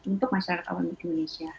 untuk masyarakat awam di indonesia